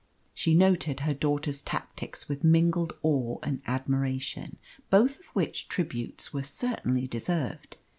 She noted her daughter's tactics with mingled awe and admiration, both of which tributes were certainly deserved.